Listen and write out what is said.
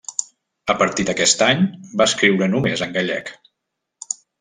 A partir d'aquest any va escriure només en gallec.